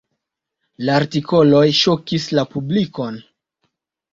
La artikoloj ŝokis la publikon.